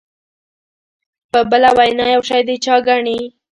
په بله وینا یو شی د چا ګڼي.